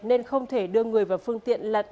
nên không thể đưa người vào phương tiện lặn